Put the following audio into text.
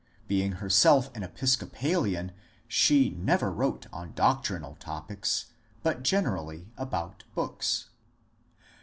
Being herself an Epis copalian, she never wrote on doctrinal topics, but generally about books.